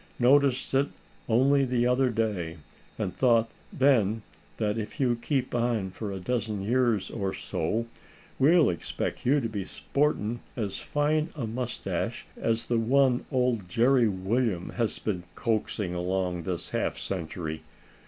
"Noticed it only the other day; and thought then that if you keep on for a dozen years or so, we'll expect you to be sportin' as fine a moustache as the one old Jerry William has been coaxing along this half century.